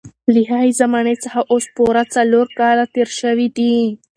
له هغې زمانې څخه اوس پوره څلور کاله تېر شوي دي.